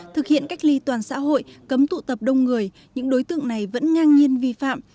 thực hiện cách ly toàn xã hội cấm tụ tập đông người những đối tượng này vẫn ngang nhiên vi phạm